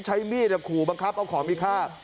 ใช้มีดแล้วขู่มาครับเอาของมีค่า